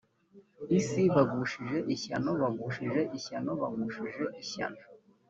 isi bagushije ishyano bagushije ishyano bagushije ishyano